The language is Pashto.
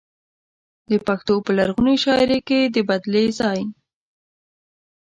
د پښتو په لرغونې شاعرۍ کې د بدلې ځای.